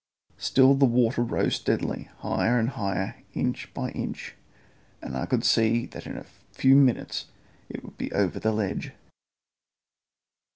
Still the water rose steadily higher and higher inch by inch, and I could see that in a very few minutes it would be over the ledge.